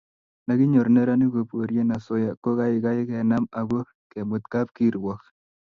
nda kinyor neranik koporie asoya ko kaikai kenam akoi kemut kapkirwog